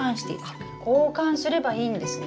あ交換すればいいんですね。